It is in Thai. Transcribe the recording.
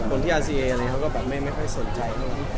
คนที่อาเซียอะไรอย่างเงี้ยเขาก็แบบไม่ค่อยสนใจ